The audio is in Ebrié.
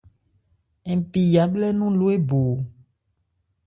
Npi yabhlɛ́ nɔn lo ébo.